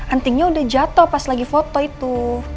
antingnya udah jatuh pas lagi foto itu